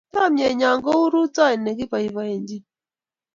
Chomye nyo kou rutoi nekipoipoenjin